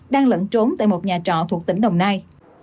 đang lẫn trốn tại một nhà trọ thuộc tỉnh đồng nai